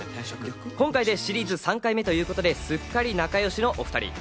今回でシリーズ３回目ということで、すっかり仲よしのお２人。